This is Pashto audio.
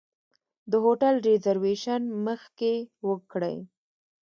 د هوټل ریزرویشن مخکې وکړئ.